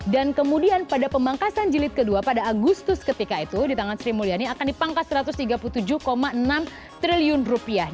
dan kemudian pada pemangkasan jilid kedua pada agustus ketika itu di tangan sri mulyani akan dipangkas satu ratus tiga puluh tujuh enam triliun rupiah